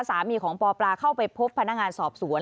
สามีของปปลาเข้าไปพบพนักงานสอบสวน